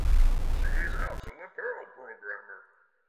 She is also a Perl programmer.